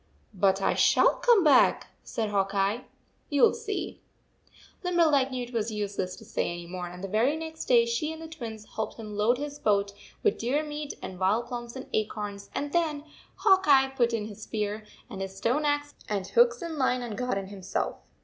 " "But I shall come back," said Hawk Eye. "You ll see." Limberleg knew it was useless to say any more, and the very next day she and the Twins helped him load his boat with deer meat and wild plums and acorns, and 150 then Hawk Eye put in his spear and his stone axe and hooks and line, and got in himself.